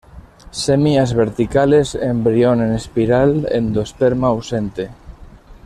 Semillas verticales, embrión en espiral; endosperma ausente.